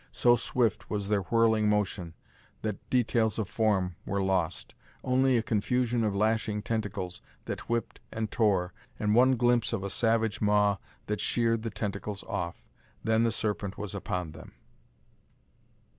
So swift was their whirling motion that details of form were lost: only a confusion of lashing tentacles that whipped and tore, and one glimpse of a savage maw that sheared the tentacles off. Then the serpent was upon them.